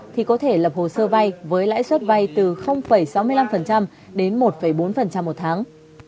thì có thể lập hồ sơ vay với lãi suất vay từ sáu mươi năm đến một bốn một tháng